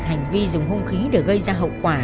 hành vi dùng hung khí để gây ra hậu quả